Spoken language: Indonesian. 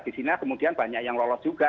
di sini kemudian banyak yang lolos juga